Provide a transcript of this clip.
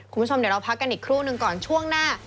คุณผู้ชมเดี๋ยวเราพักกันอีกครู่หนึ่งก่อนช่วงหน้า